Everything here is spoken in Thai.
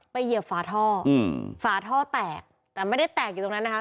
เหยียบฝาท่ออืมฝาท่อแตกแต่ไม่ได้แตกอยู่ตรงนั้นนะคะ